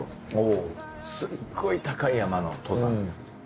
すっごい高い山の登山。